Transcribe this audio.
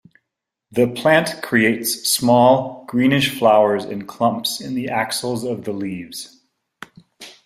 The plant creates small, greenish flowers in clumps in the axils of the leaves.